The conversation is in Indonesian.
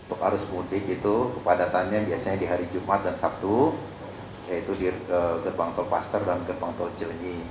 untuk arus mudik itu kepadatannya biasanya di hari jumat dan sabtu yaitu di gerbang tol paster dan gerbang tol cilenyi